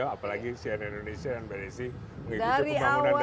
apalagi sian indonesia dan mbak desi mengikuti pembangunan dari awal